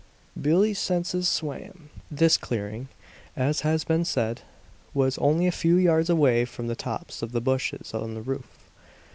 Billie's senses swam. This clearing, as has been said, was only a few yards away from the tops of the bushes on the roof.